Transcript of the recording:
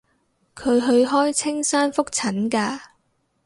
佢去開青山覆診㗎